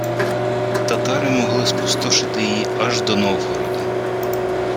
Татари могли спустошити її аж до Новгорода